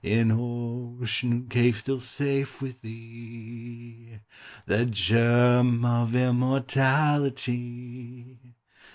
In ocean cave, still safe with Thee The germ of immortality!